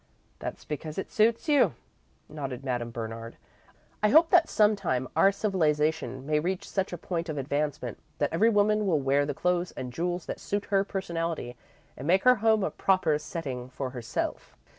"That's because it suits you," nodded Madame Bernard. "I hope that sometime our civilisation may reach such a point of advancement that every woman will wear the clothes and jewels that suit her personality, and make her home a proper setting for herself.